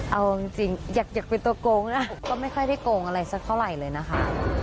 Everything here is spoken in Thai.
เอาจริงอยากเป็นตัวโกงนะก็ไม่ค่อยได้โกงอะไรสักเท่าไหร่เลยนะคะ